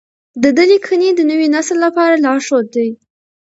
د ده لیکنې د نوي نسل لپاره لارښود دي.